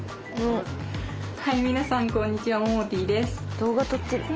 動画撮ってる。